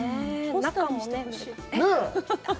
中もね。